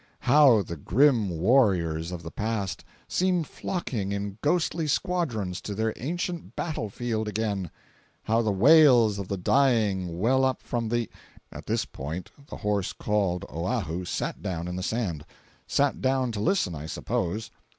How the grim warriors of the past seem flocking in ghostly squadrons to their ancient battlefield again—how the wails of the dying well up from the—" At this point the horse called Oahu sat down in the sand. Sat down to listen, I suppose.